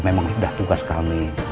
memang sudah tugas kami